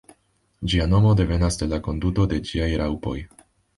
Ĝia nomo devenas de la konduto de ĝiaj raŭpoj.